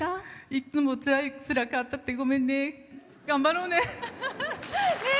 いつもつらかったってごめんね、頑張ろうね。